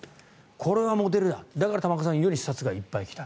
これはモデルだだから玉川さんが言うように視察がいっぱい来た。